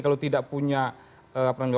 kalau tidak punya road map